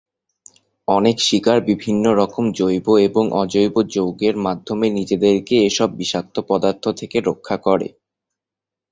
অনেক শিকার বিভিন্ন রকম জৈব এবং অজৈব যৌগের মাধ্যমে নিজেদেরকে এসব বিষাক্ত পদার্থ থেকে রক্ষা করে।